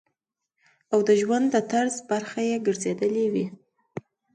او د ژوند د طرز برخه ئې ګرځېدلي وي -